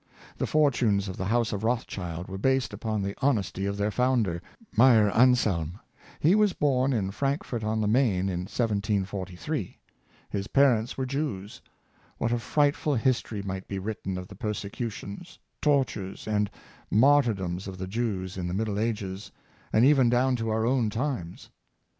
The fortunes of the house of Rothschild were based upon the honesty of their founder — Meyer Anslem. He was born at Frankfort on the Maine in 1743. His parents were Jews. What a frightful history might be written of the persecutions, tortures and martyrdoms of the Jews in the Middle Ages, and even down to our own times.